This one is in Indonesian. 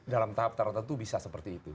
dalam tahap tertentu bisa seperti itu